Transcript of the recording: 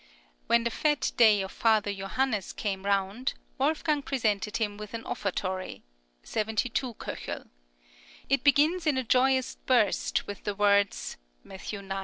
When the fête day of Father Johannes came round, Wolfgang presented him with an offertory (72 K.). It begins in a joyous burst with the words (Matth. xi.